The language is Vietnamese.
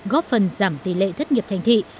góp phần giảm tỷ lệ thất nghiệp thành thị